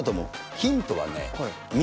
ヒントはね、緑。